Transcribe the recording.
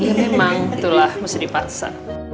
ya memang itulah mesti dipaksa